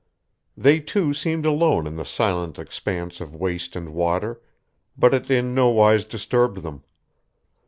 They two seemed alone in the silent expanse of waste and water, but it in no wise disturbed them.